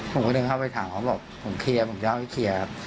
ผมก็เดินเข้าไปถามเขาบอกผมเคลียร์ผมจะเอาไปเคลียร์ครับ